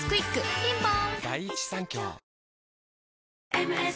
ピンポーン